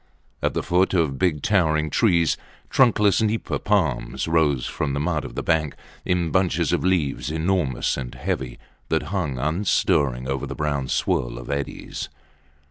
At the foot of big, towering trees, trunkless nipa palms rose from the mud of the bank, in bunches of leaves enormous and heavy, that hung unstirring over the brown swirl of eddies.